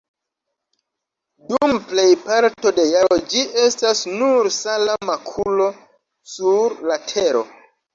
Dum plejparto de jaro ĝi estas nur sala makulo sur la tero.